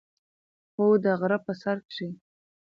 خو د غرۀ پۀ سر کښې